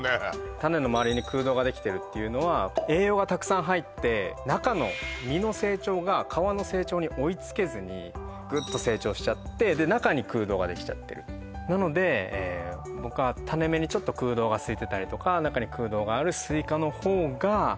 タネの周りに空洞ができてるっていうのは栄養がたくさん入って中の実の成長が皮の成長に追いつけずにグッと成長しちゃってで中に空洞ができちゃってるなので僕はそうですあの私はホントにしかし佐藤さん